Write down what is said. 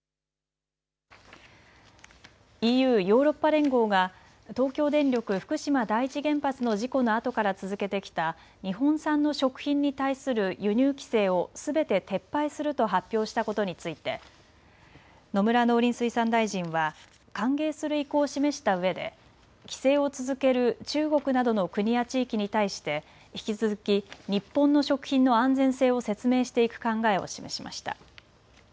ＥＵ・ヨーロッパ連合が東京電力福島第一原発の事故のあとから続けてきた日本産の食品に対する輸入規制をすべて撤廃すると発表したことについて野村農林水産大臣は歓迎する意向を示したうえで規制を続ける中国などの国や地域に対して引き続き日本の食品の安全性を説明していく考えを示しました。